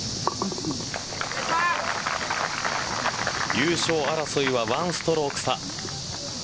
優勝争いは１ストローク差。